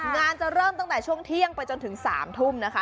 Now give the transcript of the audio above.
จะเริ่มตั้งแต่ช่วงเที่ยงไปจนถึง๓ทุ่มนะคะ